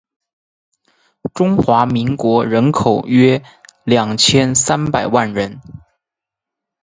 中华民国人口约二千三百万人